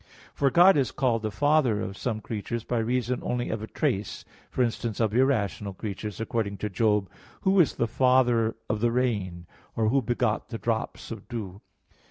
For God is called the Father of some creatures, by reason only of a trace, for instance of irrational creatures, according to Job 38:28: "Who is the father of the rain? or who begot the drops of dew?"